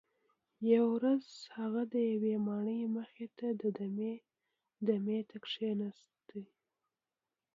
یوه ورځ هغه د یوې ماڼۍ مخې ته دمې ته کښیناست.